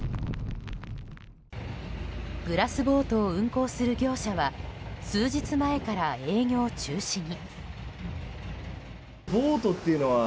グラスボートを運航する業者は数日前から営業中止に。